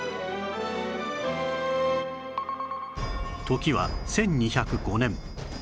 時は１２０５年